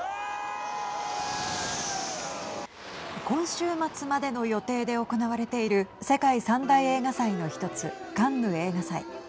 今週末までの予定で行われている世界３大映画祭の１つカンヌ映画祭。